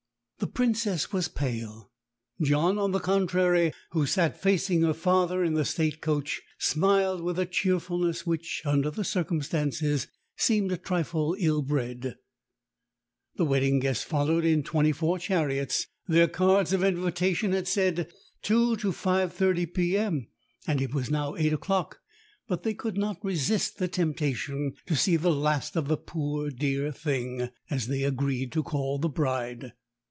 The Princess was pale. John, on the contrary, who sat facing her father in the state coach, smiled with a cheerfulness which, under the circumstances, seemed a trifle ill bred. The wedding guests followed in twenty four chariots. Their cards of invitation had said "Two to five thirty p.m.," and it was now eight o'clock; but they could not resist the temptation to see the last of "the poor dear thing," as they agreed to call the bride.